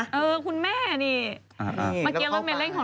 เออคุณแม่นี่